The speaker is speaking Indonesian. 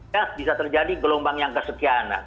ya bisa terjadi gelombang yang kesekian